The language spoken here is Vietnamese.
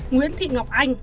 nguyễn thị ngọc anh